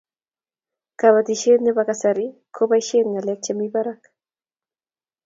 kabatishiet nebo kasari kobaishen ngalek chemi barak